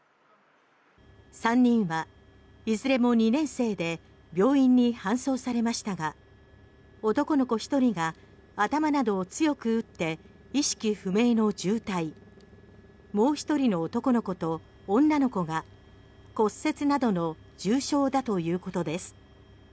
３人はいずれも２年生で病院に搬送されましたが男の子１人が頭などを強く打って意識不明の重体もう１人の男の子と女の子が骨折などの重傷だということです。